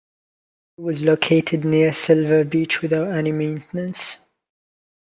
It was located near silver beach without any maintenance.